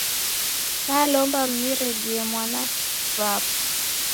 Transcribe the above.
Nalomba muniredie w'ana w'apo.